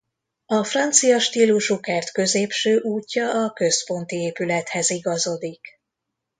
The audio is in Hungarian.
A francia stílusú kert középső útja a központi épülethez igazodik.